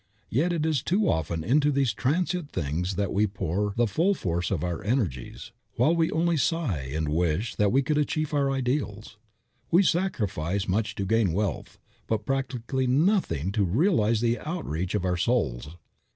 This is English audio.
Yet it is too often into these transient things that we pour the full force of our energies, while we only sigh and "wish" that we could achieve our ideals. We sacrifice much to gain wealth, but practically nothing to realize the outreach of our souls.